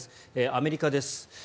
アメリカです。